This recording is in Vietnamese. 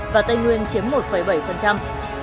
và tây nguyên chiếm một bảy